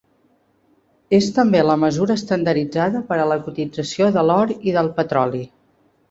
És també la mesura estandarditzada per a la cotització de l'or i del petroli.